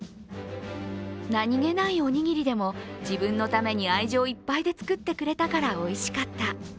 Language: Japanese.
何気ないおにぎりでも、自分のために愛情いっぱいで作ってくれたからおいしかった。